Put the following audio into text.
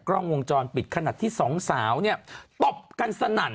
เป็นเจ้าของร้านไง